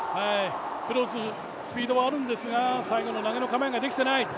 スピードはあるんですが、最後、投げの構えができていない。